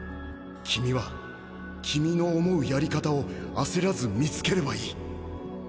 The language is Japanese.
君は君の思うやり方を焦らず見つければいい。